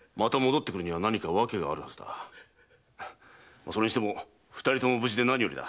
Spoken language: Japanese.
まあそれにしても二人とも無事でなによりだ。